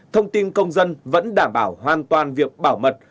thông tin công dân vẫn đảm bảo hoàn toàn việc bảo mật